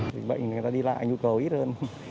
dịch bệnh người ta đi lại nhu cầu ít hơn